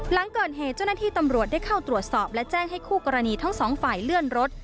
หลังเกิดเหตุเจ้าหน้าที่ตำรวจได้เข้าตรวจสอบและแจ้งให้คู่กรณีทั้งสองฝ่ายเลื่อนรถ